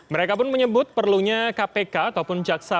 mereka pun menyebut perlunya kpk ataupun jaksa